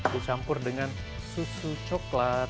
dicampur dengan susu coklat